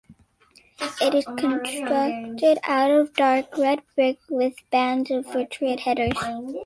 It is constructed out of dark red brick with bands of vitrified headers.